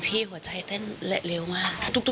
หัวใจเต้นเร็วมาก